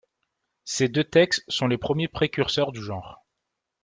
Ces deux textes sont les premiers précurseurs du genre.